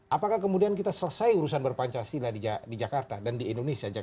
apakah kemudian kita selesai urusan berpancasila di jakarta dan di indonesia